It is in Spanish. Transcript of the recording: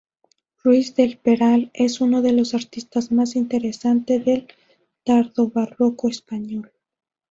Ruiz del Peral es uno de los artistas más interesante del tardobarroco español.